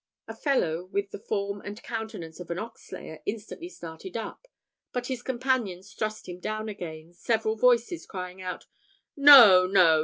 A fellow with the form and countenance of an ox slayer instantly started up, but his companions thrust him down again, several voices crying out, "No, no!